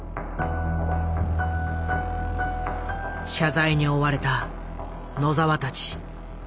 謝罪に追われた野澤たち。